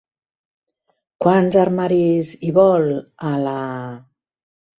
Quants armaris hi vol, a la...?